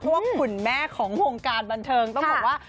เพราะว่าคุณแม่ของวงการบันเทิงต้องบอกว่า